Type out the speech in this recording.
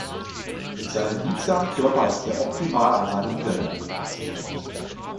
Mit seinem biegsamen Körper ist er optimal an seine Umwelt angepasst.